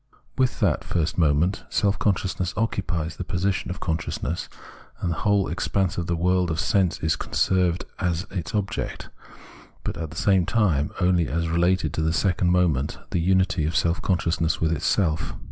With that first moment, self consciousness occupies the position of consciousness, and the whole expanse of the world of sense is conserved as its object, but at the same time only as related to the second moment, the unity of self consciousness with itself.